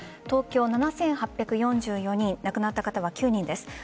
東京、７８４４人亡くなった方は９人です。